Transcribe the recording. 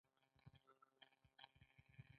غلامان د دوی خپل مالکیت ګڼل کیدل.